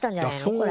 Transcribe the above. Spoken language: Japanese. これ。